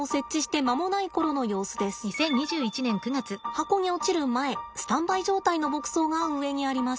箱に落ちる前スタンバイ状態の牧草が上にあります。